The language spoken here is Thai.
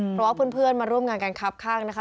เพราะว่าเพื่อนมาร่วมงานกันครับข้างนะคะ